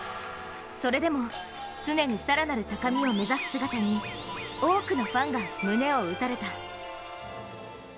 それでも、常に更なる高みを目指す姿に多くのファンが胸を打たれた。